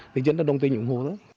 thì dân đã đồng tiền dụng hồ đó